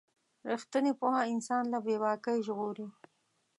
رښتینې پوهه انسان له بې باکۍ ژغوري.